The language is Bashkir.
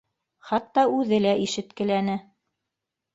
Хатта үҙе лә ишеткеләне